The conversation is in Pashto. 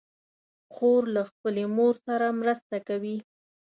خور له خپلې مور سره مرسته کوي.